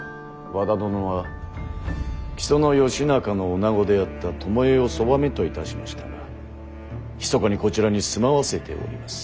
和田殿は木曽義仲の女子であった巴をそばめといたしましたがひそかにこちらに住まわせております。